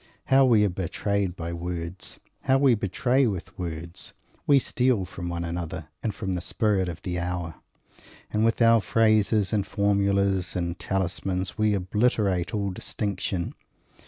How we are betrayed by words! How we betray with words! We steal from one another and from the spirit of the hour; and with our phrases and formulas and talismans we obliterate all distinction.